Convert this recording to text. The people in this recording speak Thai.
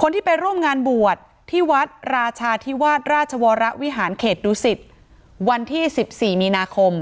คนที่ไปร่วมงานบวชที่วัดราชาธิวาสราชวรวิหารเขตดุสิตวันที่๑๔มีนาคม